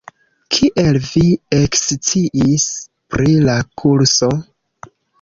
Kiel vi eksciis pri la kurso?